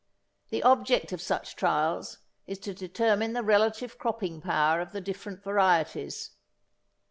The object of such trials is to determine the relative cropping power of the different varieties.